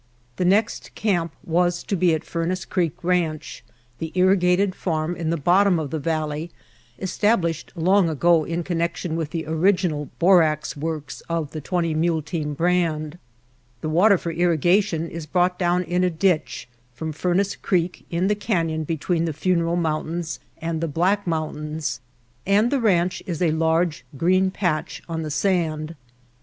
The next camp was to be at Furnace Creek Ranch, the irrigated farm in the bottom of the valley established long ago in connection with the original borax works of the Twenty Mule Team brand. The water for irrigation is brought down in a ditch from Fur nace Creek in the canyon between the Funeral Mountains and the Black Mountains and the ranch is a large, green patch on the sand.